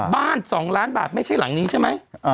๒ล้านบาทไม่ใช่หลังนี้ใช่ไหม